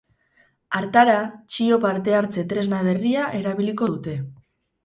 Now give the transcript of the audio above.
Hartara, txio partehartze tresna berria erabiliko dute.